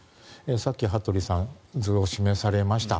さっき羽鳥さん図を示されました